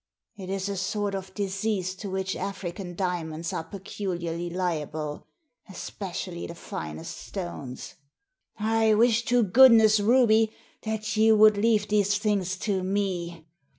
It is a sort of disease to which African diamonds are peculiarly liable, especially the finest stones. I wish to goodness, Ruby, that you would leave these things to me.